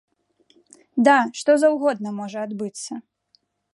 Да, што заўгодна можа адбыцца!